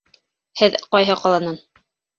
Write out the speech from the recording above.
Һеҙ ҡайһы ҡаланан?